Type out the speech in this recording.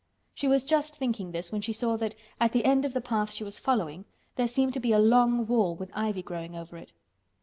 She was just thinking this when she saw that, at the end of the path she was following, there seemed to be a long wall, with ivy growing over it.